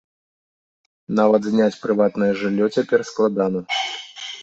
Нават зняць прыватнае жыллё цяпер складана.